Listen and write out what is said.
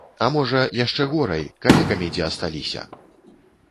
А можа, яшчэ горай, калекамі дзе асталіся!